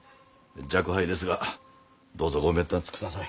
若輩ですがどうぞごべんたつください。